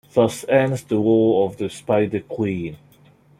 Thus ends the War of the Spider Queen.